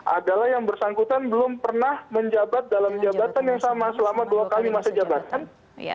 adalah yang bersangkutan belum pernah menjabat dalam jabatan yang sama selama dua kali masa jabatan